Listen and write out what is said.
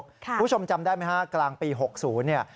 คุณผู้ชมจำได้ไหมครับกลางปี๖๐